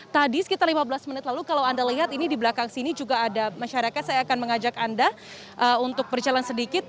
tadi sekitar lima belas menit lalu kalau anda lihat ini di belakang sini juga ada masyarakat saya akan mengajak anda untuk berjalan sedikit